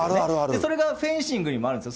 それがフェンシングにもあるんですよ。